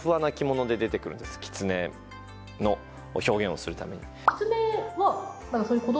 狐の表現をするために。